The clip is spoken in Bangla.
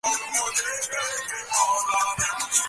তিনি ঝাঁসীর রাণী হিসেবে পরিচিতি লাভ করেন।